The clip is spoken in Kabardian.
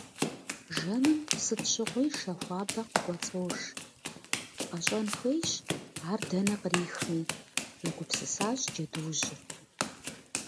Жэмым сыт щыгъуи шэ хуабэ къыкӏуэцӏож… Къэщӏэн хуейщ ар дэнэ кърихми - егупсысащ джэдуужьыр.